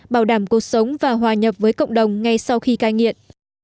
bảo đảm cuộc sống và hòa nhập với cộng đồng ngay sau khi cai nghiện